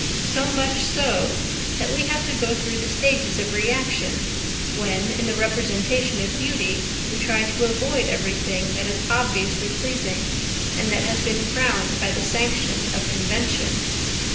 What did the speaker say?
So much so, that we have to go through the stages of reaction when in the representation of beauty we try to avoid everything that is obviously pleasing and that has been crowned by the sanction of convention.